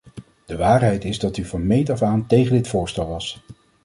De waarheid is dat u van meet af aan tegen dit voorstel was.